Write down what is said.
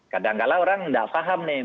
kadang kadang orang enggak paham nih